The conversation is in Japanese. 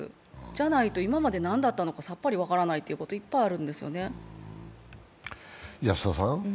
じゃないと今まで何だったのかさっぱり分からないということがいっぱいあるんですよね。